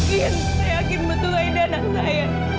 saya yakin betul aida anak saya